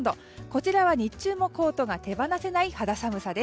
こちらは日中もコートが手放せない肌寒さ。